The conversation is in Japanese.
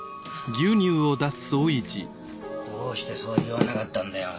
どうしてそう言わなかったんだよ。